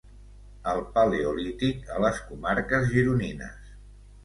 El Paleolític a les Comarques Gironines.